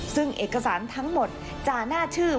ซึ่งเอกสารทั้งหมดจะน่าชื่อ